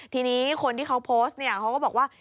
ทีนี้คนที่เขาโพสต์เนี่ยเขาก็บอกว่า